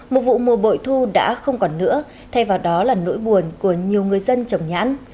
một vụ mùa bội thu đã không còn nữa thay vào đó là nỗi buồn của nhiều người dân trồng nhãn